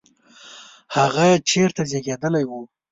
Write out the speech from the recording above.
هغه چیرته زیږېدلی و؟